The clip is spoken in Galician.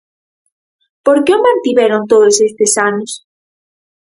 ¿Por que o mantiveron todos estes anos?